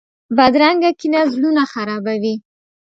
بدرنګه کینه زړونه خرابوي